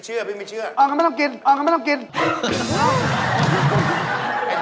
เห้ยไหวไหม